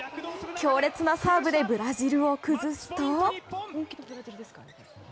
強烈なサーブでブラジルを崩すと。